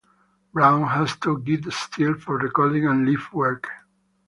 Brown has two guit-steels for recording and live work.